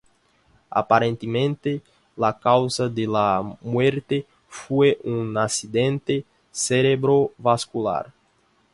Aparentemente la causa de la muerte fue un accidente cerebrovascular.